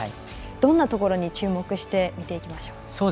どんなところに注目して見ていきましょう。